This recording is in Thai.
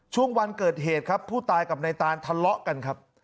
ช่วงวันเกิดเหตุครับผู้ตายกับนายตานทะเลาะกันครับ